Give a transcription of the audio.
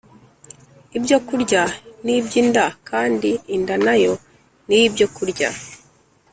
Ibyo kurya ni iby’ inda kandi inda nayo niyi byo kurya